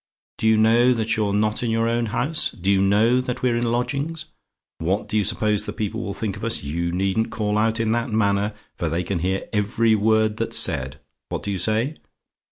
Do you know that you're not in your own house do you know that we're in lodgings? What do you suppose the people will think of us? You needn't call out in that manner, for they can hear every word that's said. What do you say?